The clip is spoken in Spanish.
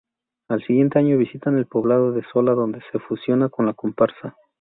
Al siguiente año visitan el poblado de Sola donde se fusiona con la comparsa.